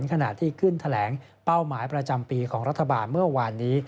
ขณะที่ขึ้นแถลงเป้าหมายประจำปีของรัฐบาลเมื่อวานนี้